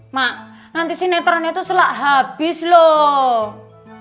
mak nanti si netronnya tuh selak habis loh